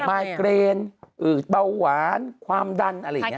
ไมเกรนเบาหวานความดัน